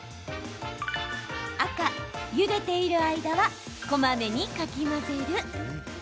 赤・ゆでている間はこまめにかき混ぜる。